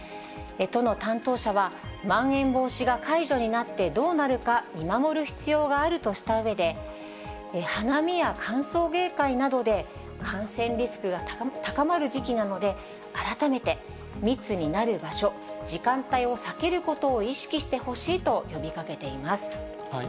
都の担当者は、まん延防止が解除になってどうなるか、見守る必要があるとしたうえで、花見や歓送迎会などで、感染リスクが高まる時期なので、改めて密になる場所、時間帯を避けることを意識してほしいと呼びかけています。